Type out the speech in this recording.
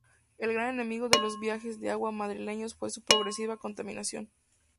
El gran enemigo de los viajes de agua madrileños fue su progresiva contaminación.